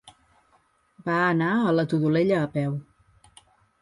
Va anar a la Todolella a peu.